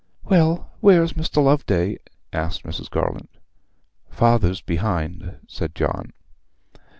'Well, where's Mr. Loveday?' asked Mrs. Garland. 'Father's behind,' said John.